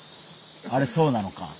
あれそうなのか。